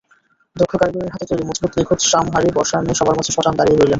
দক্ষ কারিগরের হাতে তৈরী মজবুত নিখুঁত সামহারী বর্শার ন্যায় সবার মাঝে সটান দাঁড়িয়ে রইলেন।